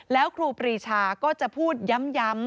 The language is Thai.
แล้วครูปรีชาก็จะพูดย้ำ